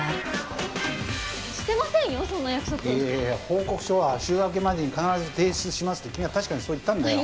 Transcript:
「報告書は週明けまでに必ず提出します」って君は確かにそう言ったんだよ。